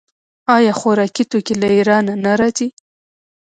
آیا خوراکي توکي له ایران نه راځي؟